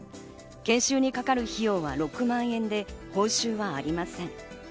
研修にかかる費用は６万円で報酬はありません。